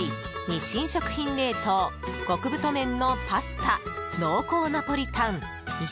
日清食品冷凍極太麺のパスタ濃厚ナポリタン